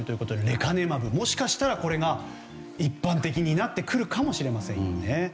レカネマブ、もしかしたらこれが一般的になってくるかもしれませんよね。